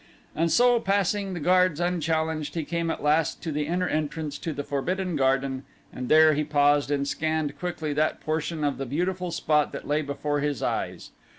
And so, passing the guards unchallenged, he came at last to the inner entrance to the Forbidden Garden and there he paused and scanned quickly that portion of the beautiful spot that lay before his eyes.